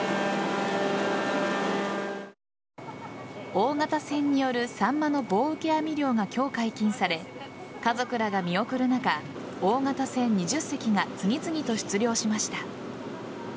大型船によるサンマの棒受け網漁が今日解禁され家族らが見送る中大型船２０隻が次々と出漁しました。